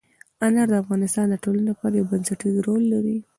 انار د افغانستان د ټولنې لپاره یو بنسټيز رول لري.